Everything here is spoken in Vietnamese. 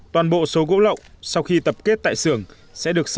toàn bộ số gỗ lộng sau khi tập kết tại xưởng sẽ được xử lý